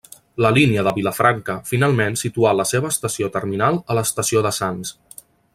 La línia de Vilafranca finalment situà la seva estació terminal a l'estació de Sants.